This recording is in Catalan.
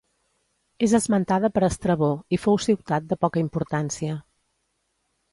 És esmentada per Estrabó i fou ciutat de poca importància.